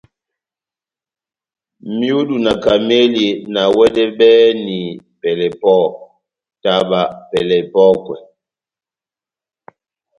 Myudu na kamɛli na wɛdɛbɛhɛni pɛlɛ pɔhɔ́, taba pɛlɛ epɔ́kwɛ.